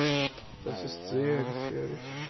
Das ist sehr gefährlich.